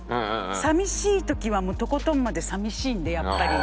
寂しい時はとことんまで寂しいんでやっぱり。